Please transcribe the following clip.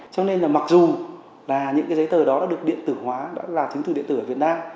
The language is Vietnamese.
cho nên là mặc dù là những cái giấy tờ đó đã được điện tử hóa đã là chứng từ điện tử ở việt nam